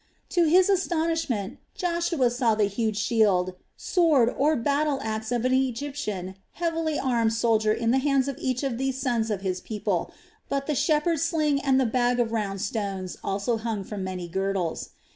To his astonishment Joshua saw the huge shield, sword, or battle axe of an Egyptian heavily armed soldier in the hands of each of these sons of his people, but the shepherd's sling and the bag of round stones also hung from many girdles.